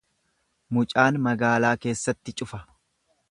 Mucaan magaalaa keessatti cufa.